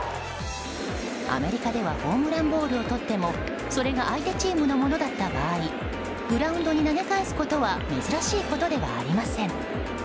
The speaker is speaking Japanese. アメリカではホームランボールをとってもそれが相手チームのものだった場合グラウンドに投げ返すことは珍しいことではありません。